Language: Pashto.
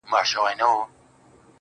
ژوند له مهربانۍ نه ښکلی دی.